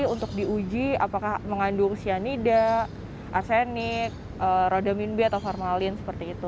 untuk diuji apakah mengandung cyanida arsenik rodamin b atau formalin seperti itu